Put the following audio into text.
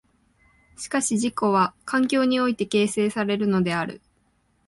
しかし自己は環境において形成されるのである。